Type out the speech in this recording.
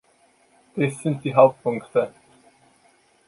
Das sind die Hauptpunkte.